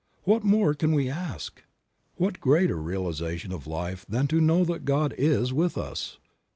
What more can we ask! What greater realization of life than to know that God is with us!